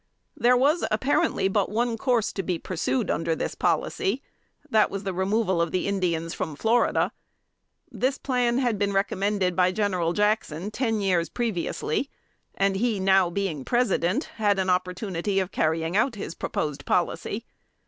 There was apparently but one course to be pursued under this policy that was the removal of the Indians from Florida. This plan had been recommended by General Jackson ten years previously, and he now being President, had an opportunity of carrying out his proposed policy.